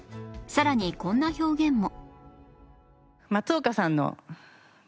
さらにこんな表現も